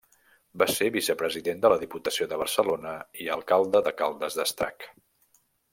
Va ser Vicepresident de la Diputació de Barcelona i Alcalde de Caldes d'Estrac.